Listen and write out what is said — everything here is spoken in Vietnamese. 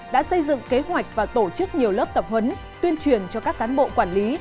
đã xây dựng kế hoạch và tổ chức nhiều lớp tập huấn tuyên truyền cho các cán bộ quản lý